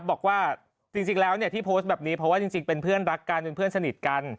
บอกว่าจริงแล้วเนี่ยที่โพสต์แบบนี้เพราะว่าจริงเป็นเพื่อนรักกันเป็นเพื่อนสนิทกัน